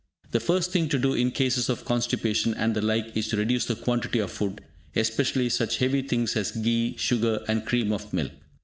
The very first thing to do in cases of constipation and the like is to reduce the quantity of food, especially such heavy things as ghee, sugar and cream of milk.